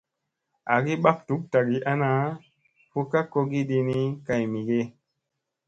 Agi ɓak duk tagi ana, fu ka kogi ɗini kay mi ge.